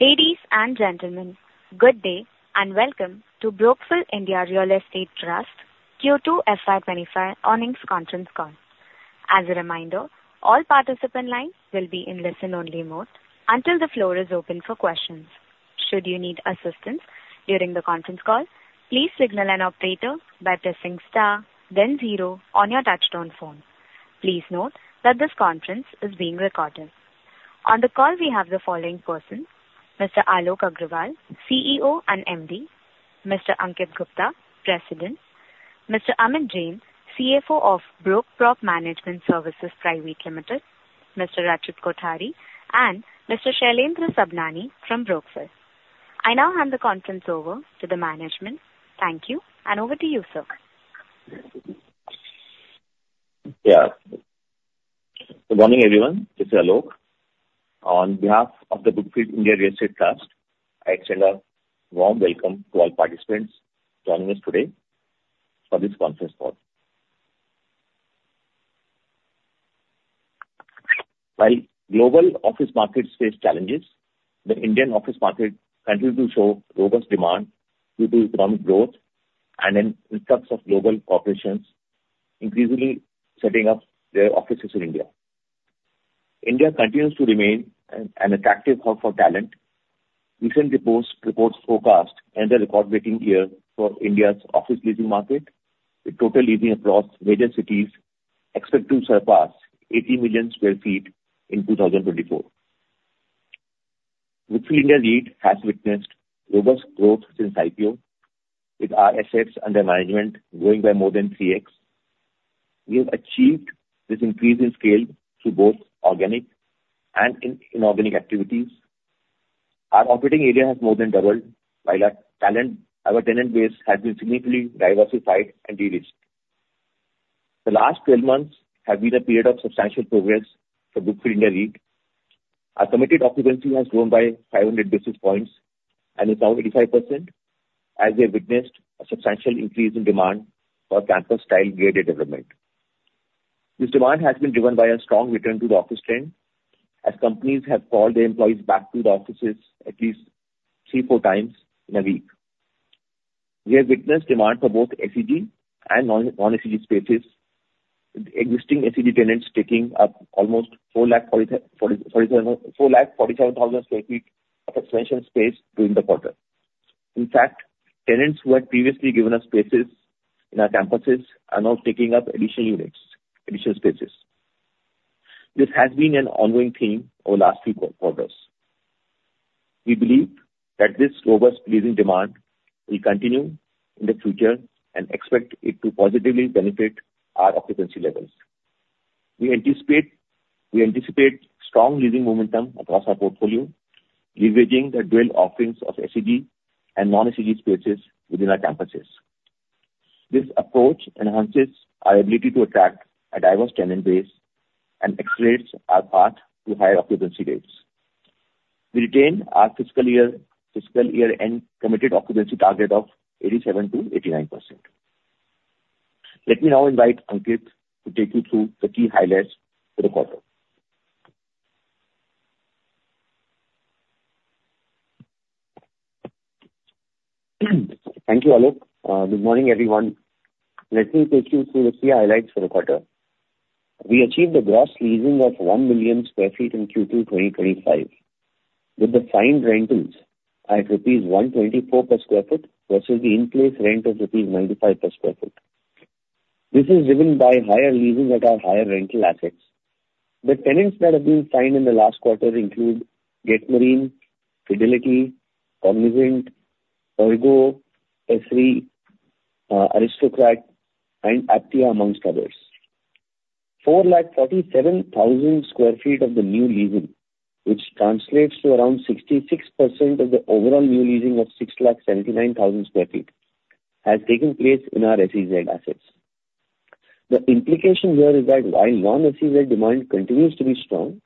Ladies and gentlemen, good day and welcome to Brookfield India Real Estate Trust Q2 FY 2025 earnings conference call. As a reminder, all participant lines will be in listen-only mode until the floor is open for questions. Should you need assistance during the conference call, please signal an operator by pressing star, then zero on your touch-tone phone. Please note that this conference is being recorded. On the call, we have the following person: Mr. Alok Aggarwal, CEO and MD; Mr. Ankit Gupta, President; Mr. Amit Jain, CFO of Brookprop Management Services Private Limited; Mr. Rachit Kothari; and Mr. Shailendra Sabhnani from Brookfield. I now hand the conference over to the management. Thank you, and over to you, sir. Yeah. Good morning, everyone. This is Alok. On behalf of the Brookfield India Real Estate Trust, I extend a warm welcome to all participants joining us today for this conference call. While global office markets face challenges, the Indian office market continues to show robust demand due to economic growth and the influx of global corporations increasingly setting up their offices in India. India continues to remain an attractive hub for tenant. Recent reports forecast another record-breaking year for India's office leasing market, with total leasing across major cities expected to surpass 80 million sq ft in 2024. Brookfield India REIT has witnessed robust growth since IPO, with our assets under management growing by more than 3x. We have achieved this increase in scale through both organic and inorganic activities. Our operating area has more than doubled, while our tenant base has been significantly diversified enriched. The last 12 months have been a period of substantial progress for Brookfield India REIT. Our committed occupancy has grown by 500 basis points and is now 85%, as we have witnessed a substantial increase in demand for campus-style real estate development. This demand has been driven by a strong return to the office trend, as companies have called their employees back to the offices at least three to four times in a week. We have witnessed demand for both SEZ and non-SEZ spaces, with existing SEZ tenants taking up almost 4,470 sq ft of expansion space during the quarter. In fact, tenants who had previously given up spaces in our campuses are now taking up additional spaces. This has been an ongoing theme over the last few quarters. We believe that this robust leasing demand will continue in the future and expect it to positively benefit our occupancy levels. We anticipate strong leasing momentum across our portfolio, leveraging the dual offerings of SEZ and non-SEZ spaces within our campuses. This approach enhances our ability to attract a diverse tenant base and accelerates our path to higher occupancy rates. We retained our fiscal year-end committed occupancy target of 87%-89%. Let me now invite Ankit to take you through the key highlights for the quarter. Thank you, Alok. Good morning, everyone. Let me take you through the key highlights for the quarter. We achieved a gross leasing of 1 million sq ft in Q2 2025, with the final rentals at rupees 124 per sq ft versus the in-place rent of rupees 95 per sq ft. This is driven by higher leases at our higher rental assets. The tenants that have been signed in the last quarter include GTT Marine, Fidelity, Cognizant, ERGO, Esri, Aristocrat, and Aptia, among others. 447,000 sq ft of the new leasing, which translates to around 66% of the overall new leasing of 679,000 sq ft, has taken place in our SEZ assets. The implication here is that while non-SEZ demand continues to be strong,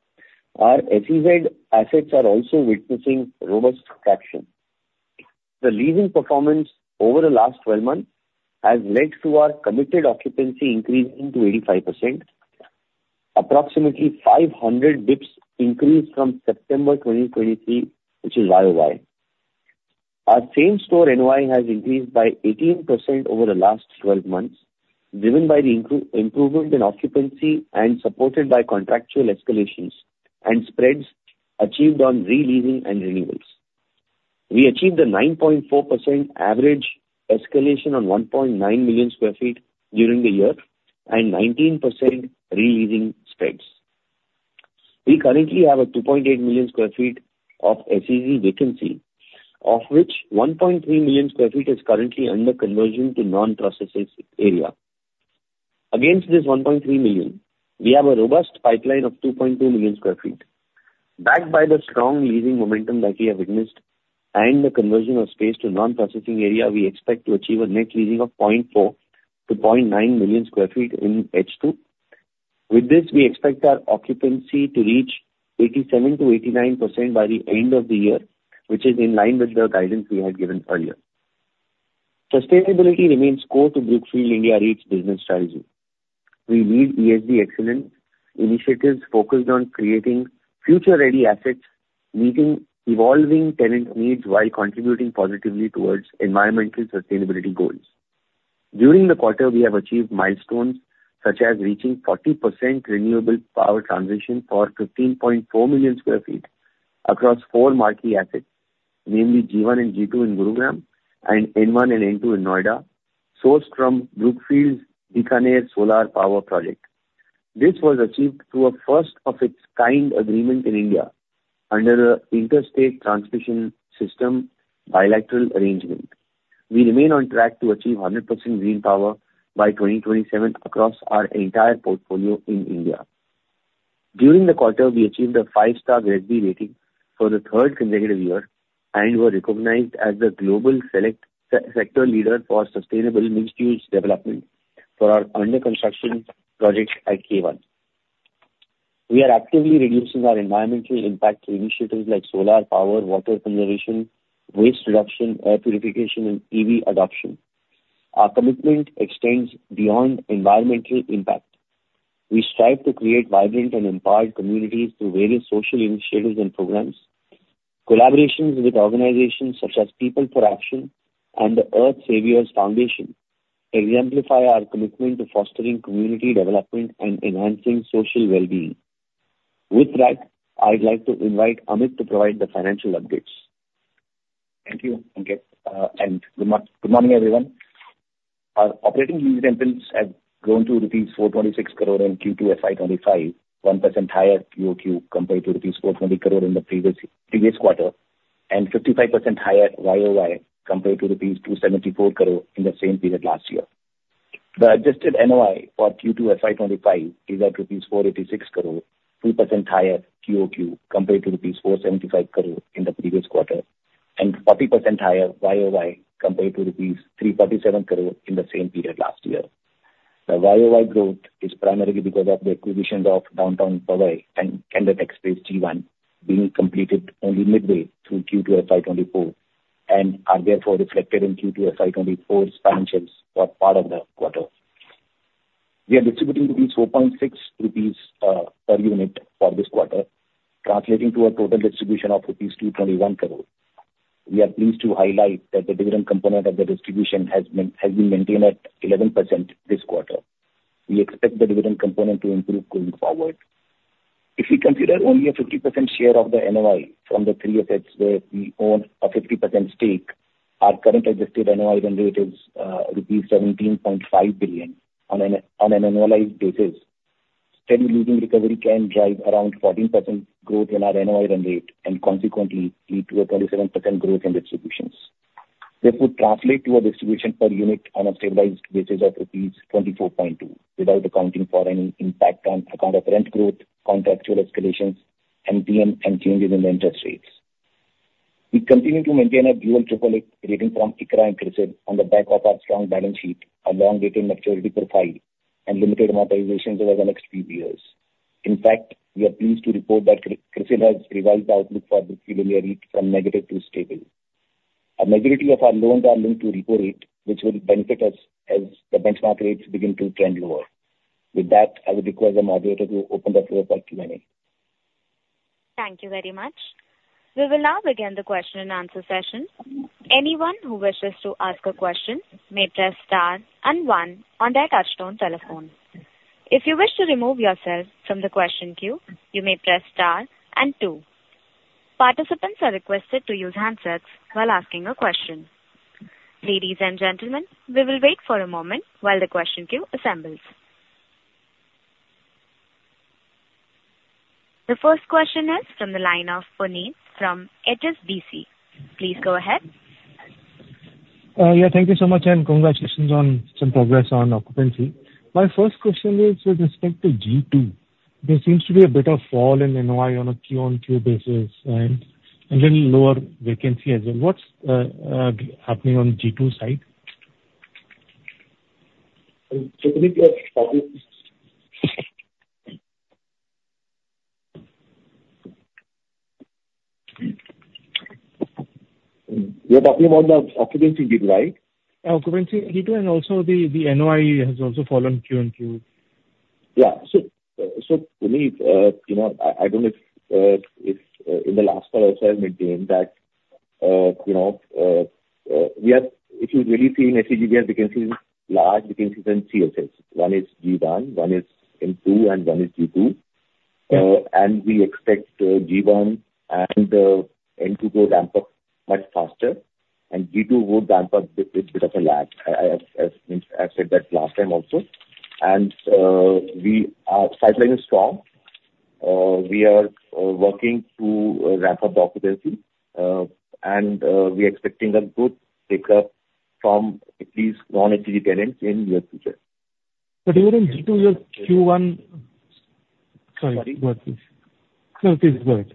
our SEZ assets are also witnessing robust traction. The leasing performance over the last 12 months has led to our committed occupancy increasing to 85%, approximately 500 basis points increase from September 2023, which is YoY. Our same-store NOI has increased by 18% over the last 12 months, driven by the improvement in occupancy and supported by contractual escalations and spreads achieved on re-leasing and renewals. We achieved a 9.4% average escalation on 1.9 million sq ft during the year and 19% re-leasing spreads. We currently have a 2.8 million sq ft of SEZ vacancy, of which 1.3 million sq ft is currently under conversion to non-processing area. Against this 1.3 million, we have a robust pipeline of 2.2 million sq ft. Backed by the strong leasing momentum that we have witnessed and the conversion of space to non-processing area, we expect to achieve a net leasing of 0.4 million sq ft-0.9 million sq ft in H2. With this, we expect our occupancy to reach 87%-89% by the end of the year, which is in line with the guidance we had given earlier. Sustainability remains core to Brookfield India's business strategy. We need ESG excellence initiatives focused on creating future-ready assets, meeting evolving tenant needs while contributing positively towards environmental sustainability goals. During the quarter, we have achieved milestones such as reaching 40% renewable power transition for 15.4 million sq ft across four marquee assets, namely G1 and G2 in Gurugram and N1 and N2 in Noida, sourced from Brookfield's Bikaner Solar Power Project. This was achieved through a first-of-its-kind agreement in India under the Interstate Transmission System bilateral arrangement. We remain on track to achieve 100% green power by 2027 across our entire portfolio in India. During the quarter, we achieved a five-star GRESB rating for the third consecutive year and were recognized as the Global Sector Leader for Sustainable Mixed-Use Development for our under-construction projects at K1. We are actively reducing our environmental impact through initiatives like solar power, water conservation, waste reduction, air purification, and EV adoption. Our commitment extends beyond environmental impact. We strive to create vibrant and empowered communities through various social initiatives and programs. Collaborations with organizations such as People for Action and the Earth Saviours Foundation exemplify our commitment to fostering community development and enhancing social well-being. With that, I'd like to invite Amit to provide the financial updates. Thank you, Ankit. Good morning, everyone. Our operating lease rentals have grown to 426 crore rupees in Q2 FY 2025, 1% higher QoQ compared to 420 crore rupees in the previous quarter, and 55% higher YoY compared to 274 crore rupees in the same period last year. The adjusted NOI for Q2 FY 2025 is at rupees 486 crore, 2% higher QoQ compared to rupees 475 crore in the previous quarter, and 40% higher YoY compared to rupees 347 crore in the same period last year. The YoY growth is primarily because of the acquisition of Downtown Powai and Candor TechSpace G1, being completed only midway through Q2 FY 2024, and are therefore reflected in Q2 FY 2024's financials for part of the quarter. We are distributing 4.6 rupees per unit for this quarter, translating to a total distribution of rupees 221 crore. We are pleased to highlight that the dividend component of the distribution has been maintained at 11% this quarter. We expect the dividend component to improve going forward. If we consider only a 50% share of the NOI from the three assets where we own a 50% stake, our current adjusted NOI run rate is rupees 17.5 billion on an annualized basis. Steady leasing recovery can drive around 14% growth in our NOI run rate and consequently lead to a 27% growth in distributions. This would translate to a distribution per unit on a stabilized basis of rupees 24.2, without accounting for any impact on account of rent growth, contractual escalations, MTM, and changes in interest rates. We continue to maintain a dual AAA rating from ICRA and CRISIL on the back of our strong balance sheet, a long-dated maturity profile, and limited amortizations over the next few years. In fact, we are pleased to report that CRISIL has revised the outlook for Brookfield India REIT from negative to stable. A majority of our loans are linked to repo rate, which will benefit us as the benchmark rates begin to trend lower. With that, I would request the moderator to open the floor for Q&A. Thank you very much. We will now begin the question-and-answer session. Anyone who wishes to ask a question may press star and one on their touch-tone telephone. If you wish to remove yourself from the question queue, you may press star and two. Participants are requested to use handsets while asking a question. Ladies and gentlemen, we will wait for a moment while the question queue assembles. The first question is from the line of Puneet from HSBC. Please go ahead. Yeah, thank you so much, and congratulations on some progress on occupancy. My first question is with respect to G2. There seems to be a bit of fall in NOI on a Q on Q basis and a little lower vacancy as well. What's happening on the G2 side? You're talking about the occupancy. You're talking about the occupancy grid, right? Yeah, occupancy grid, and also the NOI has also fallen Q on Q. Yeah. So Puneet, I don't know if in the last quarter or so I've maintained that we have, if you really see in SEZ, we have vacancies, large vacancies in three assets. One is G1, one is N2, and one is G2. And we expect G1 and N2 to ramp up much faster, and G2 would ramp up with a bit of a lag. I've said that last time also. And our pipeline is strong. We are working to ramp up the occupancy, and we are expecting a good pickup from at least non-SEZ tenants in the near future. But even in G2, your Q1, sorry, go ahead, please. No, please go ahead.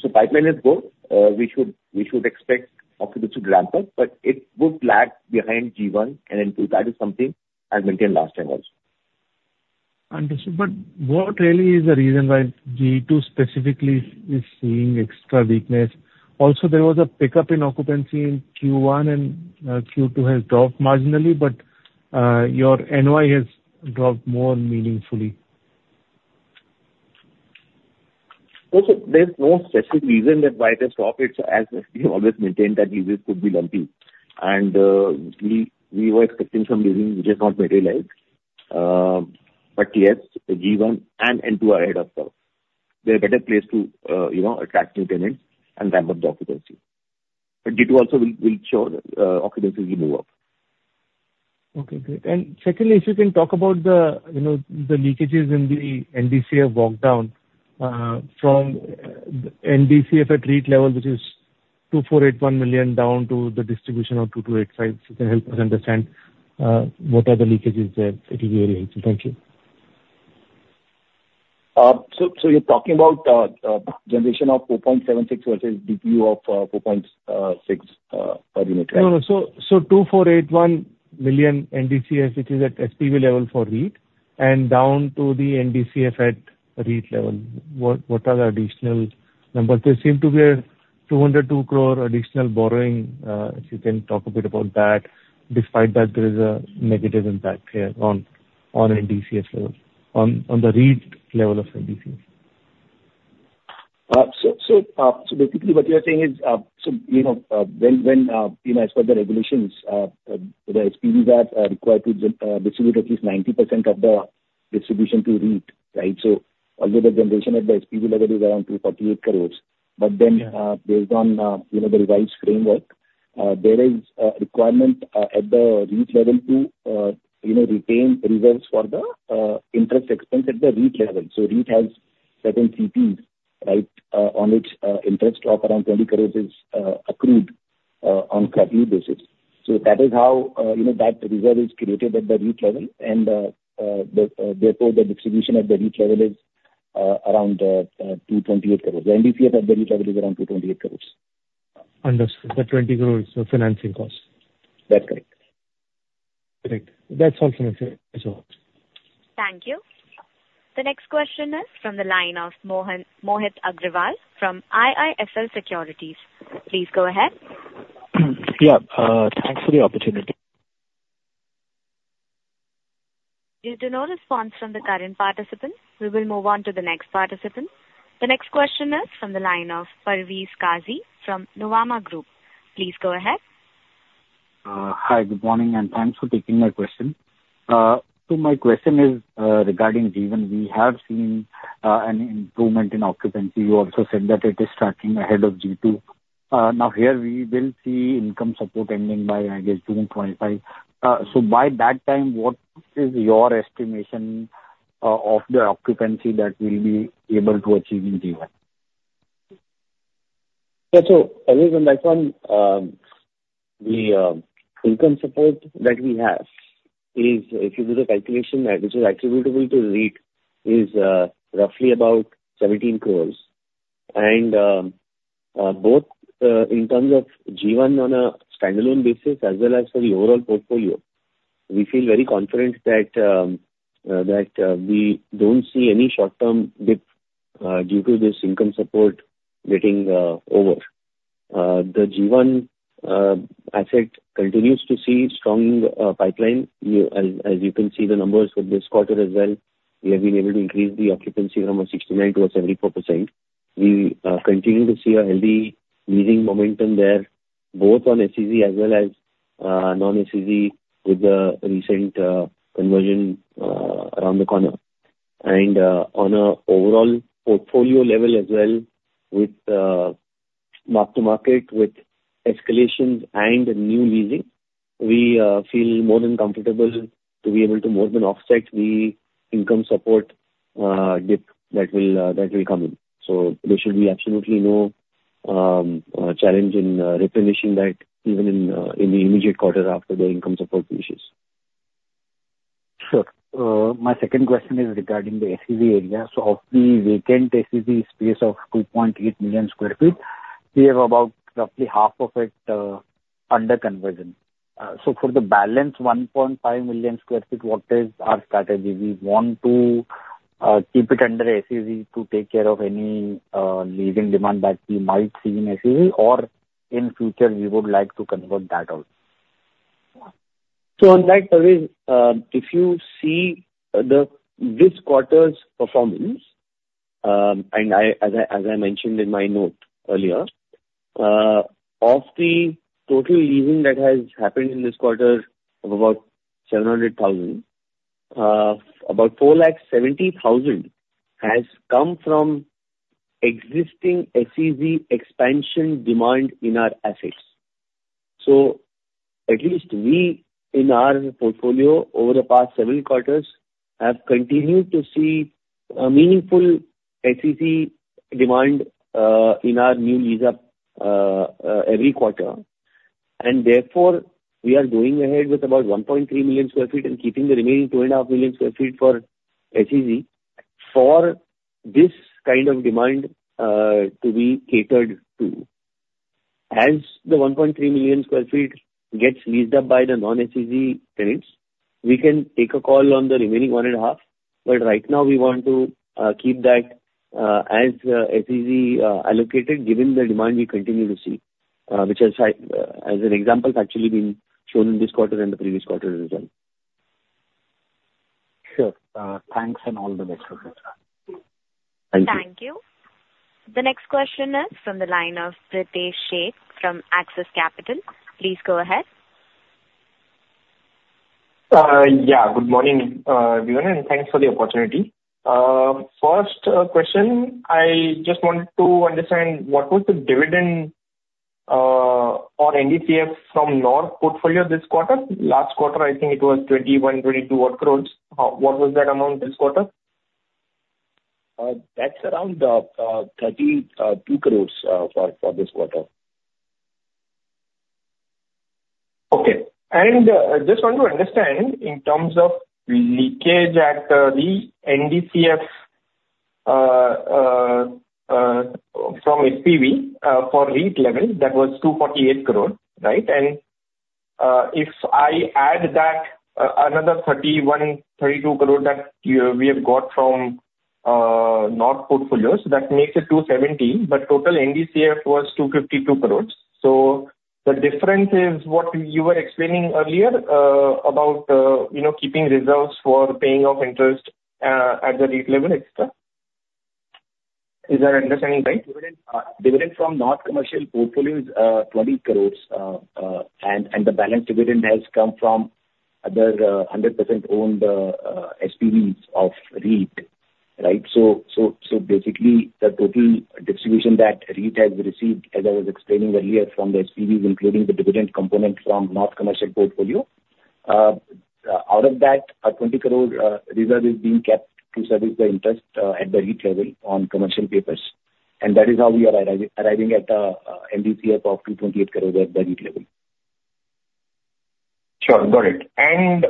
So pipeline is good. We should expect occupancy to ramp up, but it would lag behind G1 and N2. That is something I've maintained last time also. Understood. But what really is the reason why G2 specifically is seeing extra weakness? Also, there was a pickup in occupancy in Q1, and Q2 has dropped marginally, but your NOI has dropped more meaningfully. Also, there's no specific reason why it has dropped. It's as we've always maintained that leases could be lumpy, and we were expecting some leasing, which has not materialized. But yes, G1 and N2 are ahead, of course. They're a better place to attract new tenants and ramp up the occupancy. But G2 also will show the occupancy will move up. Okay, great. And secondly, if you can talk about the leakages in the NDCF walkdown from NDCF at REIT level, which is 2,481 million down to the distribution of 2,285. If you can help us understand what are the leakages there, it would be very helpful. Thank you. So you're talking about generation of 4.76 versus DPU of 4.6 per unit, right? No, no. So 2,481 million NDCF, which is at SPV level for REIT, and down to the NDCF at REIT level. What are the additional numbers? There seem to be a 202 crore additional borrowing. If you can talk a bit about that, despite that, there is a negative impact here on NDCF level, on the REIT level of NDCF. So basically, what you're saying is, so when as per the regulations, the SPVs are required to distribute at least 90% of the distribution to REIT, right? So although the generation at the SPV level is around 248 crores, but then based on the revised framework, there is a requirement at the REIT level to retain reserves for the interest expense at the REIT level. So REIT has certain CPs, right, on which interest of around 20 crores is accrued on a quarterly basis. So that is how that reserve is created at the REIT level, and therefore the distribution at the REIT level is around 228 crores. The NDCF at the REIT level is around 228 crores. But 20 crores is the financing cost. That's correct. Great. That's all from my side. Thank you. The next question is from the line of Mohit Agrawal from IIFL Securities. Please go ahead. Yeah. Thanks for the opportunity. We do not respond from the current participant. We will move on to the next participant. The next question is from the line of Parvez Qazi from Nuvama Group. Please go ahead. Hi, good morning, and thanks for taking my question. So my question is regarding G1. We have seen an improvement in occupancy. You also said that it is tracking ahead of G2. Now, here we will see income support ending by, I guess, June 25. So by that time, what is your estimation of the occupancy that we'll be able to achieve in G1? Yeah. So always on that one, the income support that we have is, if you do the calculation, which is attributable to REIT, is roughly about 17 crores. And both in terms of G1 on a standalone basis as well as for the overall portfolio, we feel very confident that we don't see any short-term dip due to this income support getting over. The G1 asset continues to see a strong pipeline. As you can see the numbers for this quarter as well, we have been able to increase the occupancy from a 69% to a 74%. We continue to see a heavy leasing momentum there, both on SEZ as well as non-SEZ, with the recent conversion around the corner. On an overall portfolio level as well, with mark-to-market, with escalations and new leasing, we feel more than comfortable to be able to more than offset the income support dip that will come in. So there should be absolutely no challenge in replenishing that even in the immediate quarter after the income support issues. Sure. My second question is regarding the SEZ area. So of the vacant SEZ space of 2.8 million sq ft, we have about roughly half of it under conversion. So for the balance 1.5 million sq ft, what is our strategy? We want to keep it under SEZ to take care of any leasing demand that we might see in SEZ, or in future, we would like to convert that out? So on that, Parvez, if you see this quarter's performance, and as I mentioned in my note earlier, of the total leasing that has happened in this quarter of about 700,000, about 470,000 has come from existing SEZ expansion demand in our assets. So at least we, in our portfolio, over the past several quarters, have continued to see meaningful SEZ demand in our new lease-up every quarter. And therefore, we are going ahead with about 1.3 million sq ft and keeping the remaining 2.5 million sq ft for SEZ for this kind of demand to be catered to. As the 1.3 million sq ft gets leased up by the non-SEZ tenants, we can take a call on the remaining one and a half. But right now, we want to keep that as SEZ allocated, given the demand we continue to see, which has, as an example, actually been shown in this quarter and the previous quarter as well. Sure. Thanks and all the best. Thank you. Thank you. The next question is from the line of Pritesh Sheth from Axis Capital. Please go ahead. Yeah. Good morning, everyone, and thanks for the opportunity. First question, I just wanted to understand what was the dividend on NDCF from North Portfolio this quarter? Last quarter, I think it was 21 crores, 22 crores. What was that amount this quarter? That's around 32 crores for this quarter. Okay. And I just want to understand in terms of leakage at the NDCF from SPV for REIT level, that was 248 crores, right? And if I add that another 31 crores, 32 crores that we have got from North Portfolio, so that makes it 217, but total NDCF was 252 crores. So the difference is what you were explaining earlier about keeping reserves for paying off interest at the REIT level, etc.? Is that understanding right? Dividend from North Commercial Portfolio is 20 crores, and the balance dividend has come from other 100% owned SPVs of REIT, right? So basically, the total distribution that REIT has received, as I was explaining earlier, from the SPVs, including the dividend component from North Commercial Portfolio, out of that, a 20 crore reserve is being kept to service the interest at the REIT level on commercial papers. And that is how we are arriving at NDCF of 228 crores at the REIT level. Sure. Got it. And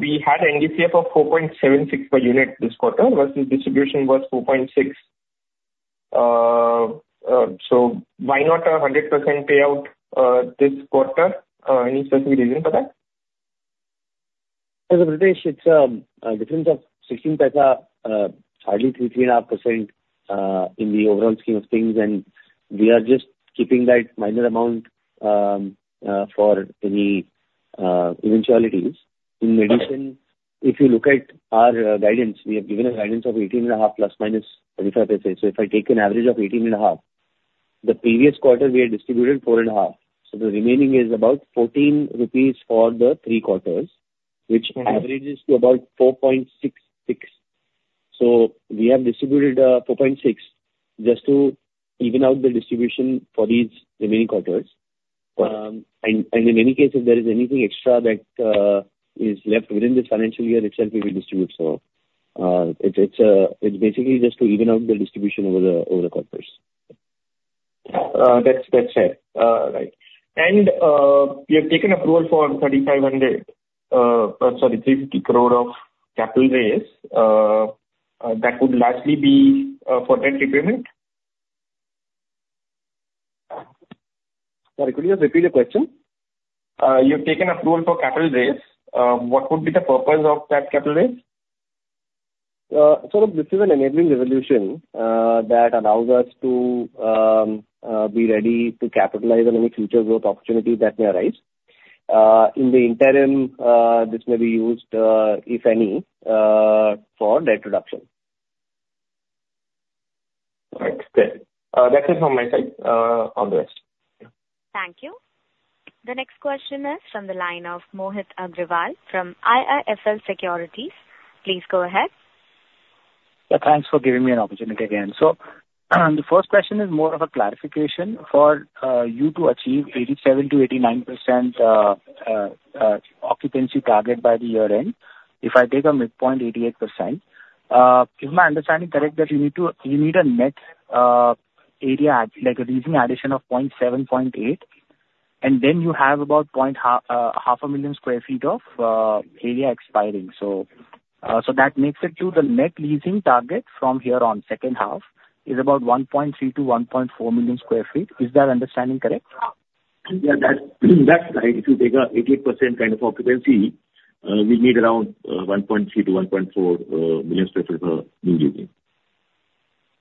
we had NDCF of 4.76 per unit this quarter versus distribution was 4.6. So why not a 100% payout this quarter? Any specific reason for that? As a percentage, it's a difference of 0.16, hardly 3.5% in the overall scheme of things, and we are just keeping that minor amount for any eventualities. In addition, if you look at our guidance, we have given a guidance of 18.5 ± 0.25. So if I take an average of 18.5, the previous quarter we had distributed 4.5. So the remaining is about 14 rupees for the three quarters, which averages to about 4.66. So we have distributed 4.6 just to even out the distribution for these remaining quarters. And in any case, if there is anything extra that is left within this financial year itself, we will distribute. So it's basically just to even out the distribution over the quarters. That's fair. Right. And you have taken approval for 3,500, sorry, 350 crore of capital raise. That would largely be for debt repayment? Sorry, could you repeat the question? You've taken approval for capital raise. What would be the purpose of that capital raise? So this is an enabling resolution that allows us to be ready to capitalize on any future growth opportunity that may arise. In the interim, this may be used, if any, for debt reduction. All right. Good. That's it from my side on the rest. Thank you. The next question is from the line of Mohit Agrawal from IIFL Securities. Please go ahead. Thanks for giving me an opportunity again. So the first question is more of a clarification for you to achieve 87%-89% occupancy target by the year-end. If I take a midpoint 88%, is my understanding correct that you need a net area addition of 0.78, and then you have about 1.5 million sq ft of area expiring? So that makes it to the net leasing target from here on, second half, is about 1.3 million sq ft-1.4 million sq ft. Is that understanding correct? Yeah. That's right. If you take a 88% kind of occupancy, we need around 1.3 million sq ft-INR 1.4 million sq ft of new leasing.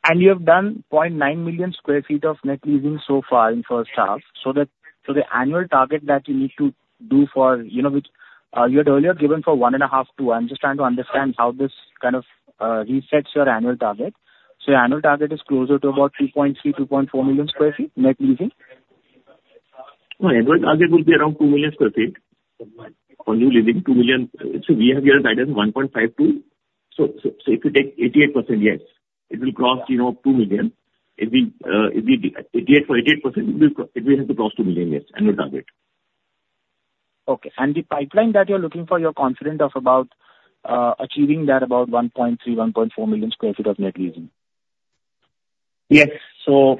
And you have done 0.9 million sq ft of net leasing so far in the first half. So the annual target that you need to do for which you had earlier given for 1.5-2, I'm just trying to understand how this kind of resets your annual target. So your annual target is closer to about 2.3 million sq ft-INR 2.4 million sq ft net leasing? My annual target would be around 2 million sq ft for new leasing. 2 million. So we have your guidance 1.5 to. So if you take 88%, yes, it will cross 2 million. If we take 88%, it will have to cross 2 million, yes, annual target. Okay. And the pipeline that you're looking for, you're confident of achieving that about 1.3 million sq ft-INR 1.4 million sq ft of net leasing? Yes. So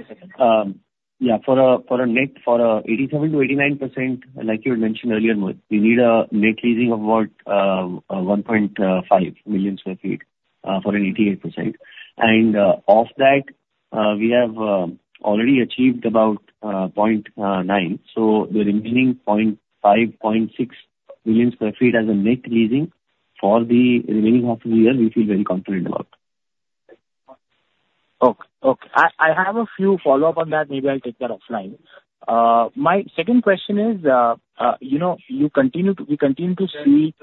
yeah, for a net 87%-89%, like you had mentioned earlier, Mohit, we need a net leasing of about 1.5 million sq ft for an 88%. And of that, we have already achieved about 0.9 million. So the remaining 0.6 million sq ft as a net leasing for the remaining half of the year, we feel very confident about. Okay. Okay. I have a few follow-ups on that. Maybe I'll take that offline. My second question is, we continue to see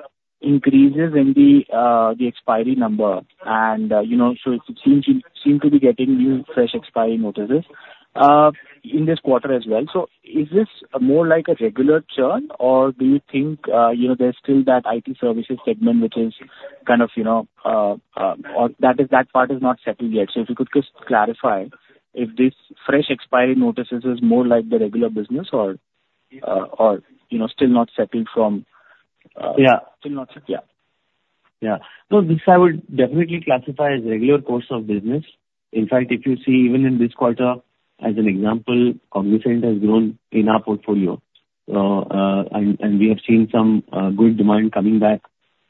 increases in the expiry number, and so it seems to be getting new fresh expiry notices in this quarter as well. So is this more like a regular churn, or do you think there's still that IT services segment which is kind of that part is not settled yet? So if you could just clarify if this fresh expiry notices is more like the regular business or still not settled. Yeah. Yeah. No, this I would definitely classify as regular course of business. In fact, if you see, even in this quarter, as an example, Cognizant has grown in our portfolio, and we have seen some good demand coming back,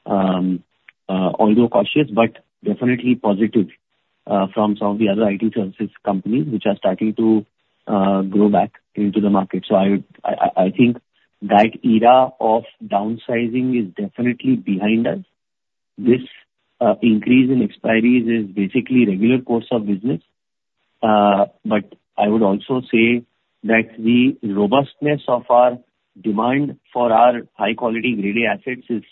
although cautious, but definitely positive from some of the other IT services companies which are starting to grow back into the market. So I think that era of downsizing is definitely behind us. This increase in expiries is basically regular course of business. But I would also say that the robustness of our demand for our high-quality grade A assets is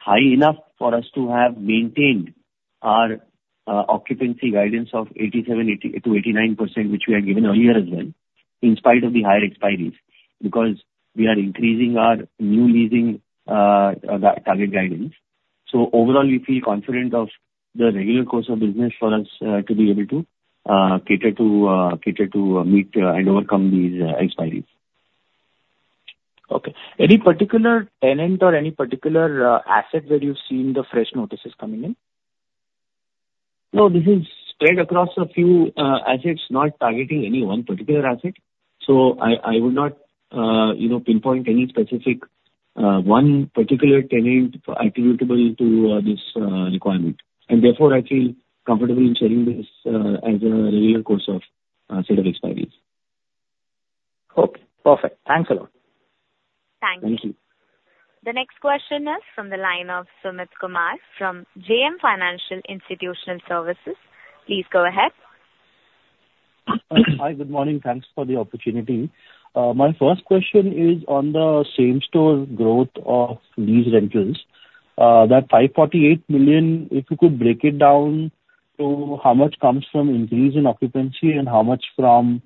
high enough for us to have maintained our occupancy guidance of 87%-89%, which we had given earlier as well, in spite of the higher expiries, because we are increasing our new leasing target guidance. So overall, we feel confident of the regular course of business for us to be able to cater to meet and overcome these expiries. Okay. Any particular tenant or any particular asset where you've seen the fresh notices coming in? No, this is spread across a few assets, not targeting any one particular asset. So I would not pinpoint any specific one particular tenant attributable to this requirement. And therefore, I feel comfortable in sharing this as a regular course of set of expiries. Okay. Perfect. Thanks a lot. Thank you. Thank you. The next question is from the line of Sumit Kumar from JM Financial Institutional Services. Please go ahead. Hi. Good morning. Thanks for the opportunity. My first question is on the same-store growth of lease rentals. That 548 million, if you could break it down to how much comes from increase in occupancy and how much from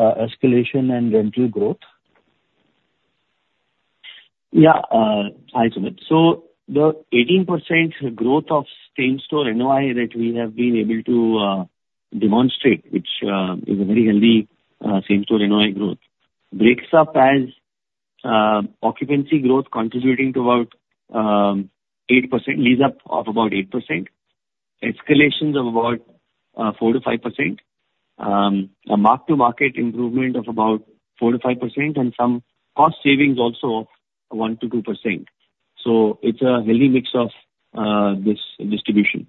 escalation and rental growth? Yeah. Hi, Sumit. So the 18% growth of same-store NOI that we have been able to demonstrate, which is a very healthy same-store NOI growth, breaks up as occupancy growth contributing to about 8%, lease-up of about 8%, escalations of about 4%-5%, a mark-to-market improvement of about 4%-5%, and some cost savings also of 1%-2%. So it's a healthy mix of this distribution.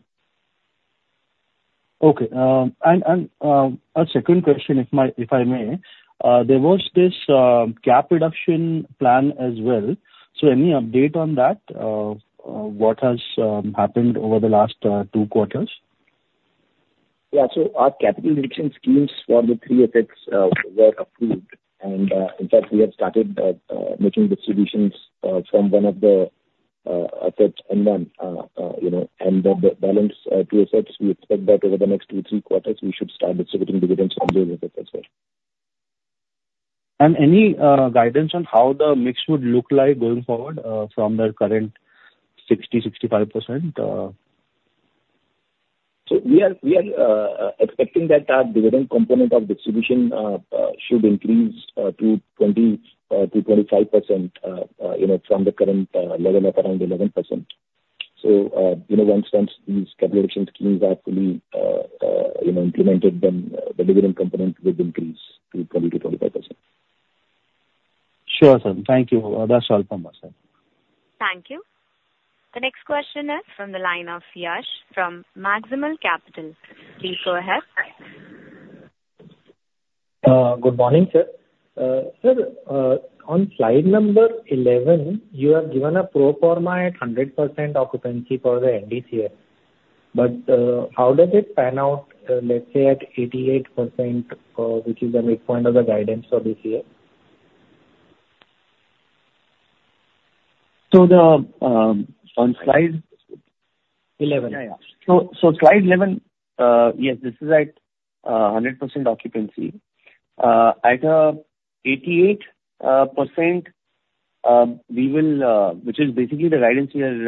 Okay. And a second question, if I may. There was this cap reduction plan as well. So any update on that? What has happened over the last two quarters? Yeah. So our capital reduction schemes for the three assets were approved. And in fact, we have started making distributions from one of the assets and then the balance two assets. We expect that over the next two, three quarters, we should start distributing dividends from those assets as well. Any guidance on how the mix would look like going forward from the current 60%, 65%? We are expecting that our dividend component of distribution should increase to 20%-25% from the current level of around 11%. Once these capital reduction schemes are fully implemented, then the dividend component would increase to 20%-25%. Sure, sir. Thank you. That's all from us, sir. Thank you. The next question is from the line of Yash from Maximal Capital. Please go ahead. Good morning, sir. Sir, on slide number 11, you have given a pro forma at 100% occupancy for the NDCF. But how does it pan out, let's say, at 88%, which is the midpoint of the guidance for this year? So on slide 11. Yeah, yeah. So slide 11, yes, this is at 100% occupancy. At 88%, we will, which is basically the guidance we are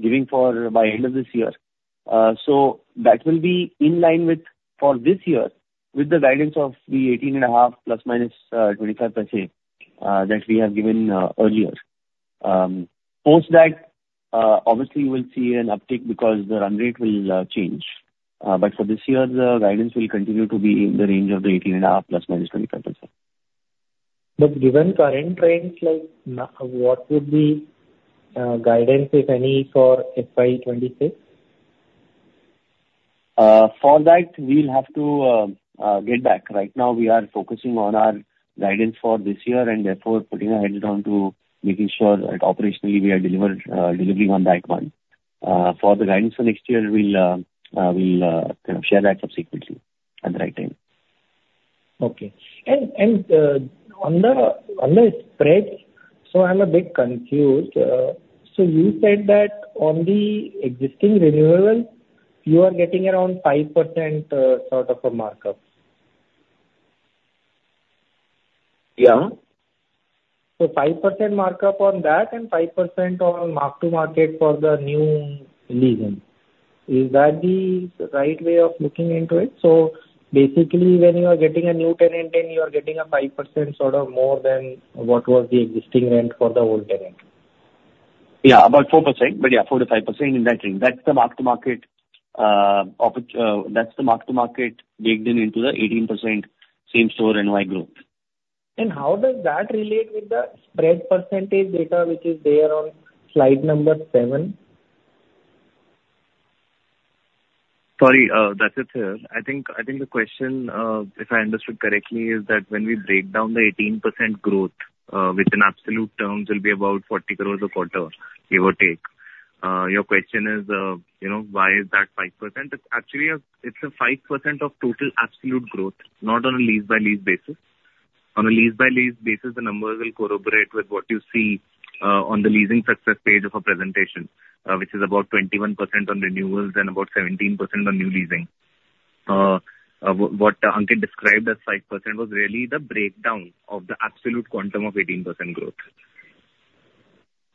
giving for by end of this year. So that will be in line with for this year, with the guidance of the 18.5 ± 0.25 that we have given earlier. Post that, obviously, you will see an uptick because the run rate will change. But for this year, the guidance will continue to be in the range of the 18.5 ± 0.25. But given current trends, what would be guidance, if any, for FY 2026? For that, we'll have to get back. Right now, we are focusing on our guidance for this year and therefore putting our heads down to making sure that operationally we are delivering on that one. For the guidance for next year, we'll kind of share that subsequently at the right time. Okay. And on the spread, so I'm a bit confused. So you said that on the existing renewables, you are getting around 5% sort of a markup. Yeah. 5% markup on that and 5% on mark-to-market for the new leasing. Is that the right way of looking into it? Basically, when you are getting a new tenant, then you are getting a 5% sort of more than what was the existing rent for the old tenant. Yeah, about 4%. But yeah, 4%-5% in that range. That's the mark-to-market. That's the mark-to-market baked in into the 18% same-store NOI growth. How does that relate with the spread percentage data which is there on slide number seven? Sorry, that's it, sir. I think the question, if I understood correctly, is that when we break down the 18% growth, within absolute terms, it'll be about 40 crore a quarter, give or take. Your question is, why is that 5%? Actually, it's a 5% of total absolute growth, not on a lease-by-lease basis. On a lease-by-lease basis, the numbers will corroborate with what you see on the leasing success page of a presentation, which is about 21% on renewables and about 17% on new leasing. What Ankit described as 5% was really the breakdown of the absolute quantum of 18% growth.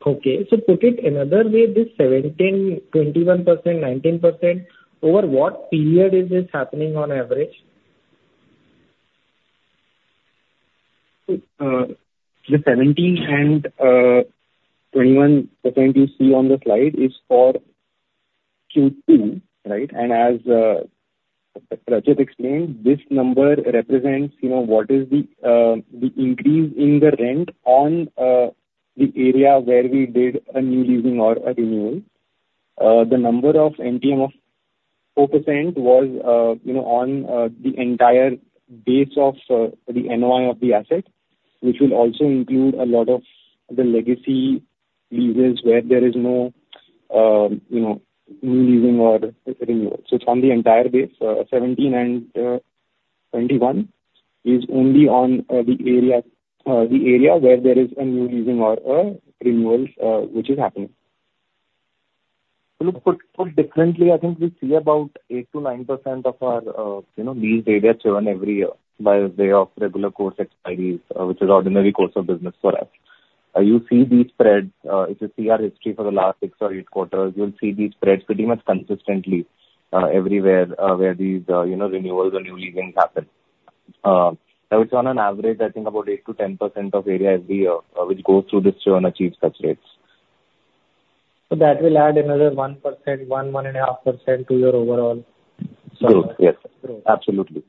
Okay, so put it another way, this 17%, 21%, 19%, over what period is this happening on average? The 17% and 21% you see on the slide is for Q2, right? And as Rachit explained, this number represents what is the increase in the rent on the area where we did a new leasing or a renewal. The number of NTM of 4% was on the entire base of the NOI of the asset, which will also include a lot of the legacy leases where there is no new leasing or renewal. So from the entire base, 17% and 21% is only on the area where there is a new leasing or renewal which is happening. Look, put differently, I think we see about 8%-9% of our leased areas churn every year by way of regular course expiries, which is ordinary course of business for us. You see these spreads. If you see our history for the last six or eight quarters, you'll see these spreads pretty much consistently everywhere where these renewals or new leasings happen. Now, it's on an average, I think, about 8%-10% of area every year which goes through this churn achieves such rates. So that will add another 1%, 1%, 1.5% to your overall growth? Yes. Absolutely.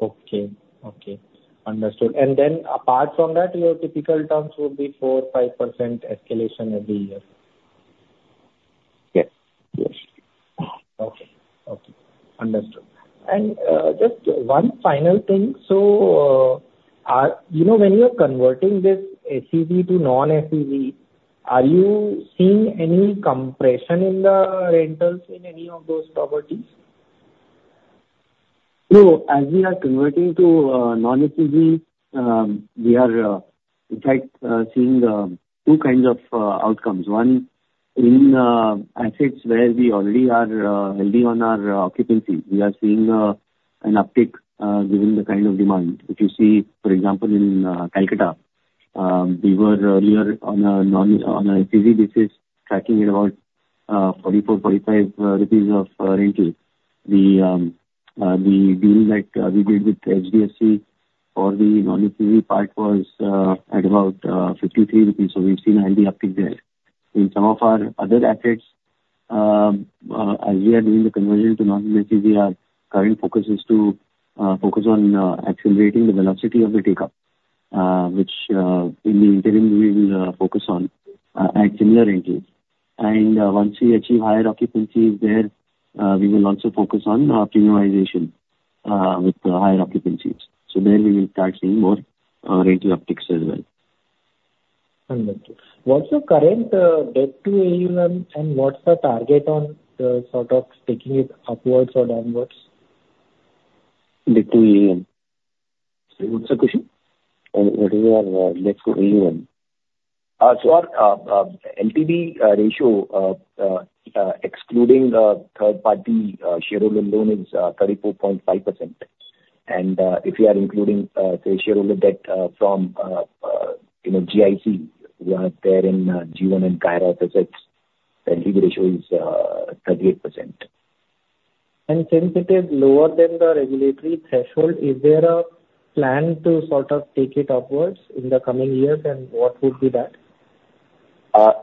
Okay. Okay. Understood. And then apart from that, your typical terms would be 4%, 5% escalation every year? Yes. Yes. Okay. Okay. Understood. And just one final thing. So when you're converting this SEZ to non-SEZ, are you seeing any compression in the rentals in any of those properties? No. As we are converting to non-SEZ, we are, in fact, seeing two kinds of outcomes. One, in assets where we already are healthy on our occupancy, we are seeing an uptick given the kind of demand. If you see, for example, in Kolkata, we were earlier on a SEZ basis tracking at about 44, 45 rupees of rental. The deal that we did with HDFC for the non-SEZ part was at about 53 rupees, so we've seen a healthy uptick there. In some of our other assets, as we are doing the conversion to non-SEZ, our current focus is to focus on accelerating the velocity of the takeoff, which in the interim, we will focus on at similar rentals. And once we achieve higher occupancies there, we will also focus on premiumization with the higher occupancies. So then we will start seeing more rental upticks as well. Understood. What's your current debt to AUM, and what's the target on sort of taking it upwards or downwards? Debt to AUM? Say what's the question? What is your debt to AUM? So our LTV ratio, excluding the third-party shareholder loan, is 34.5%. And if you are including, say, shareholder debt from GIC, who are there in G1 and Noida offices, the LTV ratio is 38%. Since it is lower than the regulatory threshold, is there a plan to sort of take it upwards in the coming years, and what would be that?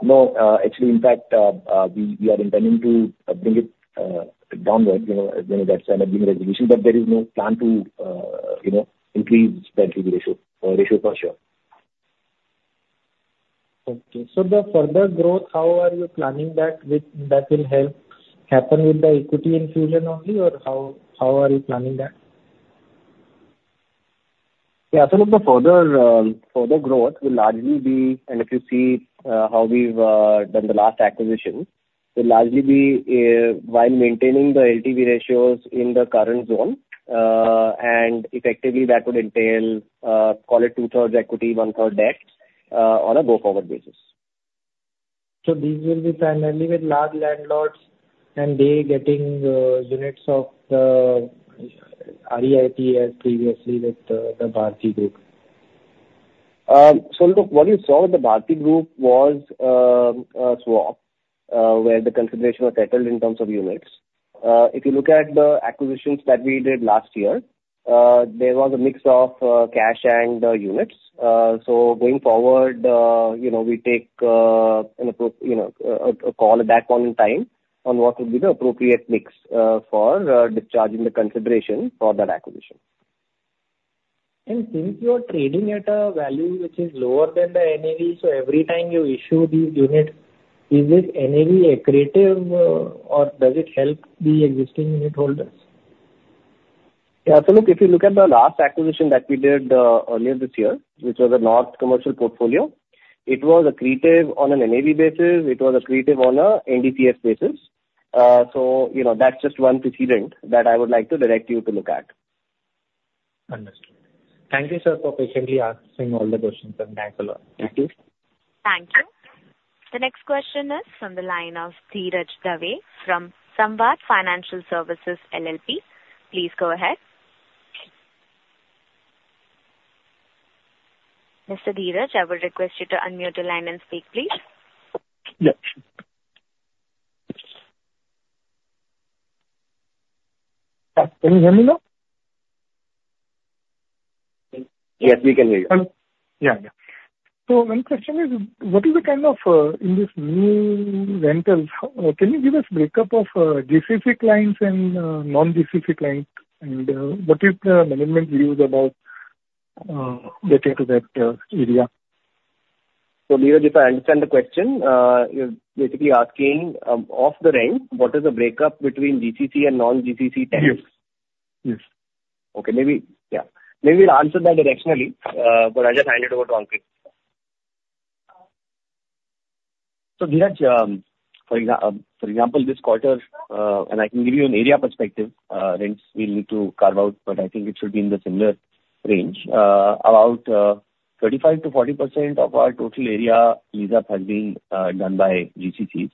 No. Actually, in fact, we are intending to bring it downwards as many times as any regulation, but there is no plan to increase the LTV ratio for sure. Okay. So the further growth, how are you planning that will help happen with the equity infusion only, or how are you planning that? Yeah. So look, the further growth will largely be, and if you see how we've done the last acquisition, will largely be while maintaining the LTV ratios in the current zone. And effectively, that would entail, call it 2/3 equity, 1/3 debt on a go-forward basis. So these will be primarily with large landlords, and they're getting units of the REITs previously with the Bharti Group? So look, what you saw with the Bharti Group was a swap where the consideration was settled in terms of units. If you look at the acquisitions that we did last year, there was a mix of cash and units. So going forward, we take a call at that point in time on what would be the appropriate mix for discharging the consideration for that acquisition. Since you are trading at a value which is lower than the NAV, so every time you issue these units, is this NAV accretive, or does it help the existing unit holders? Yeah. So look, if you look at the last acquisition that we did earlier this year, which was a North Commercial portfolio, it was accretive on an NAV basis. It was accretive on an NDCF basis. So that's just one precedent that I would like to direct you to look at. Understood. Thank you, sir, for patiently answering all the questions, and thanks a lot. Thank you. Thank you. The next question is from the line of Dhiraj Dave from Samvad Financial Services LLP. Please go ahead. Mr. Dhiraj, I will request you to unmute the line and speak, please. Yes. Can you hear me now? Yes, we can hear you. Yeah, yeah. So my question is, what is the kind of in these new rentals? Can you give us a breakup of GCC clients and non-GCC clients, and what is the management's views about that area? So Dhiraj, if I understand the question, you're basically asking off the top, what is the breakdown between GCC and non-GCC tenants? Yes. Yes. Okay. Maybe we'll answer that directionally, but I'll just hand it over to Ankit. So Dhiraj, for example, this quarter, and I can give you an area perspective, rents we'll need to carve out, but I think it should be in the similar range. About 35%-40% of our total area lease-up has been done by GCCs.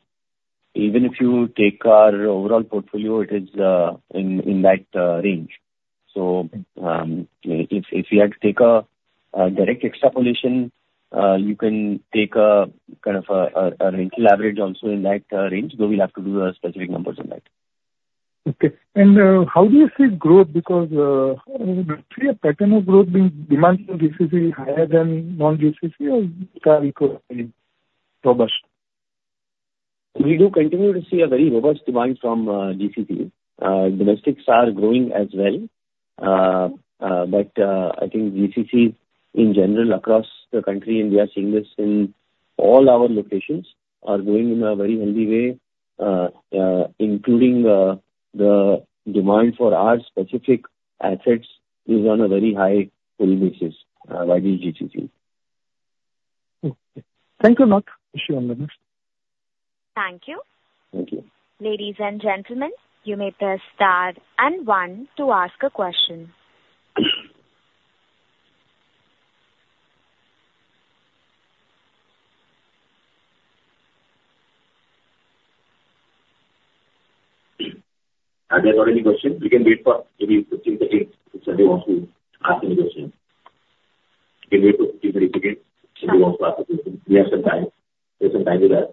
Even if you take our overall portfolio, it is in that range. So if we had to take a direct extrapolation, you can take kind of a rental average also in that range, though we'll have to do specific numbers on that. Okay. And how do you see growth? Because I see a pattern of growth being demand from GCC higher than non-GCC, or is that equally robust? We do continue to see a very robust demand from GCC. Domestics are growing as well. But I think GCCs in general across the country, and we are seeing this in all our locations, are growing in a very healthy way, including the demand for our specific assets is on a very high pull basis by these GCCs. Okay. Thank you a lot. I'll share on the next. Thank you. Thank you. Ladies and gentlemen, you may press star and one to ask a question. Have you heard any question? We can wait for maybe 15 seconds if somebody wants to ask any question. You can wait for 15, 20 seconds. We have some time. There's some time with that.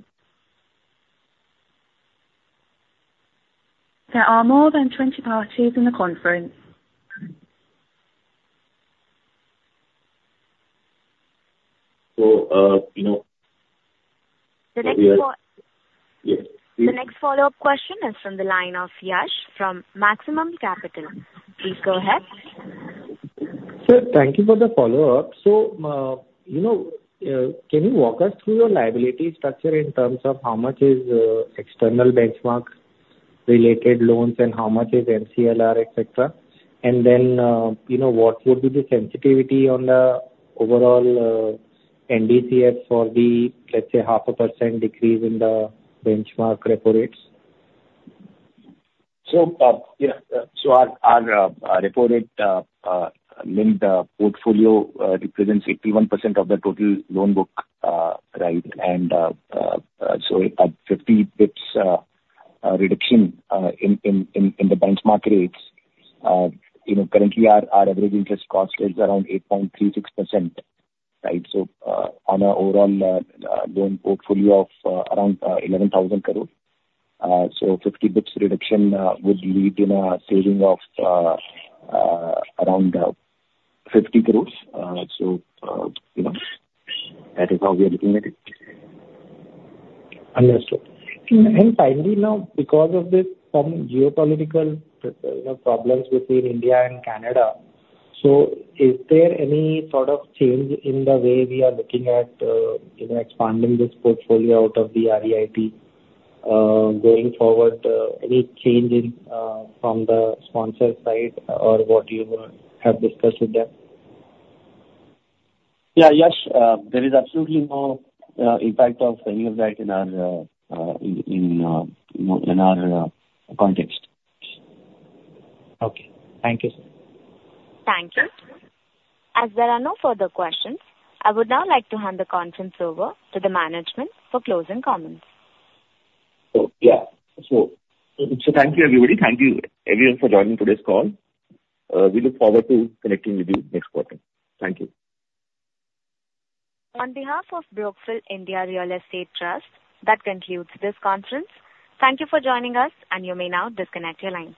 There are more than 20 parties in the conference. So you know. The next follow-up question is from the line of Yash from Maximal Capital. Please go ahead. Sir, thank you for the follow-up. So can you walk us through your liability structure in terms of how much is external benchmark-related loans and how much is MCLR, etc.? And then what would be the sensitivity on the overall NDCF for the, let's say, 0.5% decrease in the benchmark repo rates? So our repo rate linked portfolio represents 81% of the total loan book rate. And so at 50 bps reduction in the benchmark rates, currently our average interest cost is around 8.36%, right? So on our overall loan portfolio of around 11,000 crore, so 50 bps reduction would lead to a saving of around 50 crore. So that is how we are looking at it. Understood. And finally, now, because of these some geopolitical problems between India and Canada, so is there any sort of change in the way we are looking at expanding this portfolio out of the REIT going forward? Any change from the sponsor side or what you have discussed with them? Yeah, Yash, there is absolutely no impact of any of that in our context. Okay. Thank you, sir. Thank you. As there are no further questions, I would now like to hand the conference over to the management for closing comments. Yeah, so thank you, everybody. Thank you, everyone, for joining today's call. We look forward to connecting with you next quarter. Thank you. On behalf of Brookfield India Real Estate Trust, that concludes this conference. Thank you for joining us, and you may now disconnect your lines.